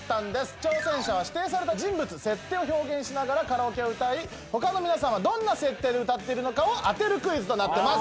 挑戦者は指定された人物設定を表現しながらカラオケを歌い他の皆さんはどんな設定で歌っているのかを当てるクイズとなってます。